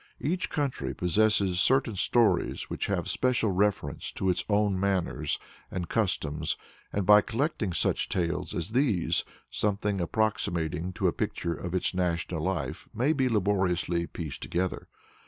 Each country possesses certain stories which have special reference to its own manners and customs, and by collecting such tales as these, something approximating to a picture of its national life may be laboriously pieced together.